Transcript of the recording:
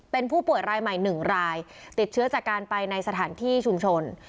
เป็นผู้ป่วยรายใหม่๑รายติดเชื้อจากการไปในสถานที่ชุมชน